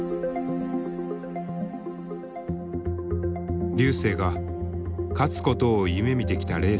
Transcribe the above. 瑠星が勝つことを夢みてきたレースがある。